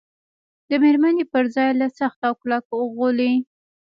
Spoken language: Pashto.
د مېرمنې پر ځای له سخت او کلک غولي.